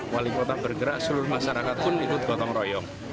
wali kota bergerak seluruh masyarakat pun ikut gotong royong